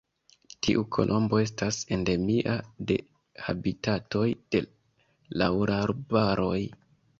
Tiu kolombo estas endemia de habitatoj de laŭrarbaroj.